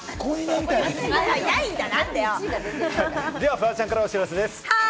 フワちゃんからお知らせです。